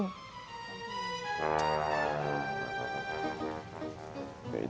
coba kamu jelaskan dengan detail